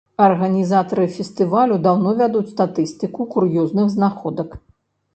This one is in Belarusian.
Арганізатары фестывалю даўно вядуць статыстыку кур'ёзных знаходак.